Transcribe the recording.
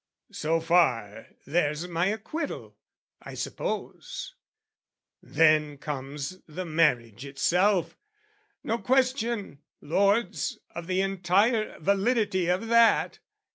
So far, there's my acquittal, I suppose. Then comes the marriage itself no question, lords, Of the entire validity of that!